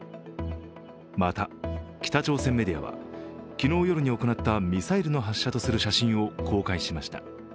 また北朝鮮メディアは昨日夜に行ったミサイルの発射とする写真を公開しました。